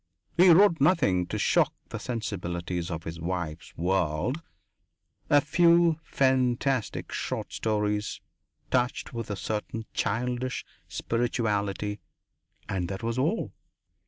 He wrote nothing to shock the sensibilities of his wife's world a few fantastic short stories, touched with a certain childish spirituality, and that was all.